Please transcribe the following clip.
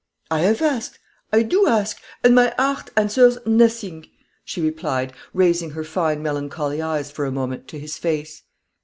"I have asked, I do ask, and my heart answers nothing," she replied, raising her fine melancholy eyes for a moment to his face.